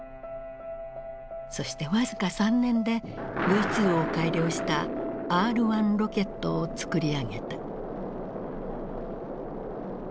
そして僅か３年でＶ２を改良したＲー１ロケットを作り上げた。